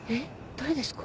誰ですか？